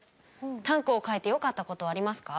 タンクを変えてよかったことはありますか？